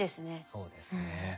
そうですね。